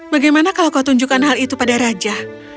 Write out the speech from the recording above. bagaimana kalau kau tunjukkan hal itu pada raja